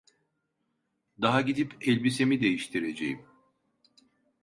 Daha gidip elbisemi değiştireceğim.